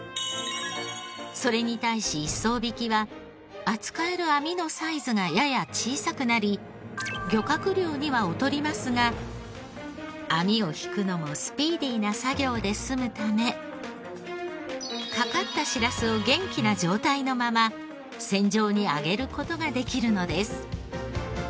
それに対し一艘曳きは扱える網のサイズがやや小さくなり漁獲量には劣りますが網を曳くのもスピーディーな作業で済むため掛かったしらすを元気な状態のまま船上に揚げる事ができるのです。